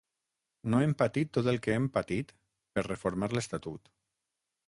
No hem patit tot el que hem patit per reformar l’estatut.